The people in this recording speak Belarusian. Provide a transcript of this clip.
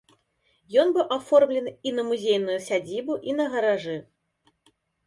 Ён быў аформлены і на музейную сядзібу, і на гаражы.